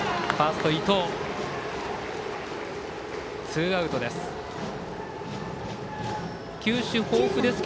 ツーアウトです。